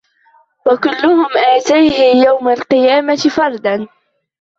وكلهم آتيه يوم القيامة فردا